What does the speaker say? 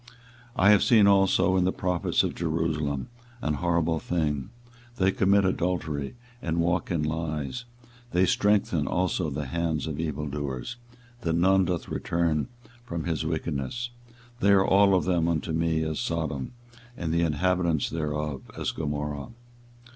24:023:014 I have seen also in the prophets of Jerusalem an horrible thing: they commit adultery, and walk in lies: they strengthen also the hands of evildoers, that none doth return from his wickedness; they are all of them unto me as Sodom, and the inhabitants thereof as Gomorrah.